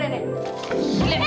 eh jangan jangan